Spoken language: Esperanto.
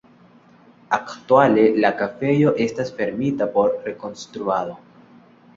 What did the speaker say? Aktuale la kafejo estas fermita por rekonstruado.